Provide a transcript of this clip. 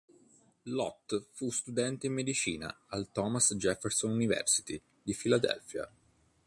Lott fu studente di medicina al Thomas Jefferson University di Filadelfia.